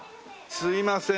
すいません。